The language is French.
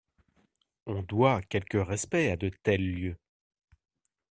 On doit quelque respect à de tels lieux.